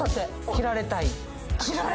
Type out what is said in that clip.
斬られたい？